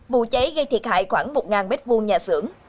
vụ cháy gây thiệt hại khoảng một m hai nhà xưởng